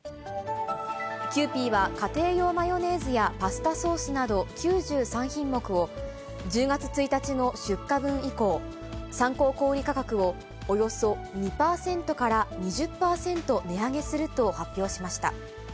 キユーピーは家庭用マヨネーズやパスタソースなど、９３品目を、１０月１日の出荷分以降、参考小売り価格をおよそ２％から２０％値上げすると発表しました。